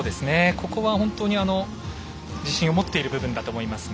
ここは本当に自信を持っている部分だと思いますが。